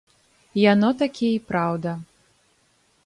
Яно такі і праўда.